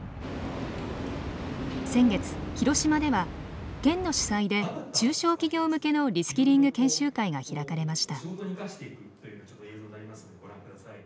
先月広島では県の主催で中小企業向けのリスキリング研修会が開かれました。